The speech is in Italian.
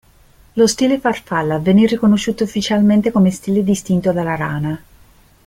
Lo stile farfalla venne riconosciuto ufficialmente come stile distinto dalla rana.